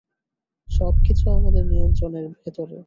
সবকিছু আমাদের নিয়ন্ত্রণের ভেতর।